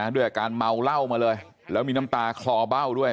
ด้วยอาการเมาเหล้ามาเลยแล้วมีน้ำตาคลอเบ้าด้วย